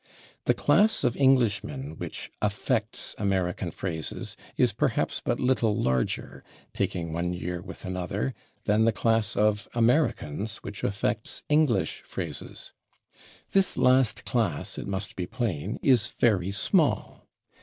The class of Englishmen which affects American phrases is perhaps but little larger, taking one year with another, than the class of Americans which affects English phrases. This last class, it must be plain, is very small.